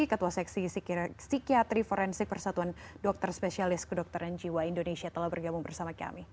ketua seksi psikiatri forensik persatuan dokter spesialis kedokteran jiwa indonesia telah bergabung bersama kami